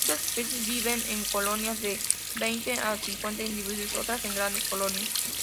Muchas especies viven en colonias de veinte a cincuenta individuos, otros en grandes colonias.